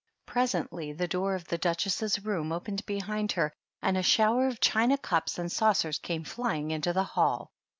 Pres ently the door of the Duchess's room opened behind her and a shower of china cups and saucers came flying into the hall.